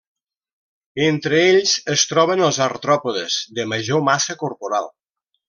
Entre ells es troben els artròpodes de major massa corporal.